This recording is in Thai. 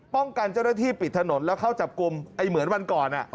เจ้าหน้าที่ปิดถนนแล้วเข้าจับกลุ่มไอ้เหมือนวันก่อน